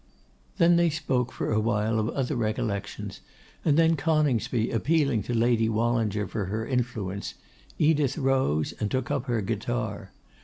Then they spoke for a while of other recollections, and then Coningsby appealing to Lady Wallinger for her influence, Edith rose and took up her guitar.